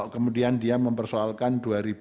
kemudian dia mempersoalkan dua ribu tiga puluh empat